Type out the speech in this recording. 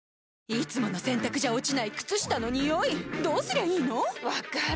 いつもの洗たくじゃ落ちない靴下のニオイどうすりゃいいの⁉分かる。